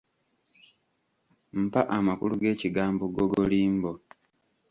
Mpa amakulu g'ekigambo googolimbo?